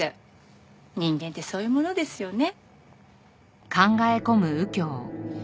人間ってそういうものですよね。